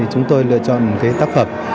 chúng tôi lựa chọn cái tác phẩm